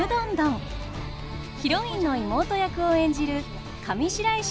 ヒロインの妹役を演じる上白石